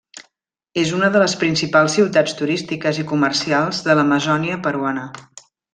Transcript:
És una de les principals ciutats turístiques i comercials de l’Amazònia peruana.